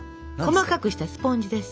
細かくしたスポンジです。